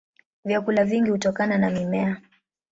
Vyakula vingi hutokana na mimea.